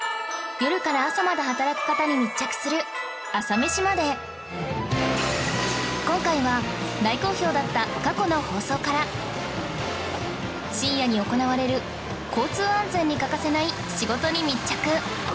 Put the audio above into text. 夜から朝まで働く方に密着する今回は大好評だった過去の放送から深夜に行われる交通安全に欠かせない仕事に密着